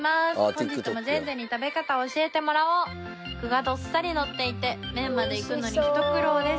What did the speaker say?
「本日もジェンジェンに食べ方を教えてもらおう」「具がどっさりのっていて麺までいくのにひと苦労です」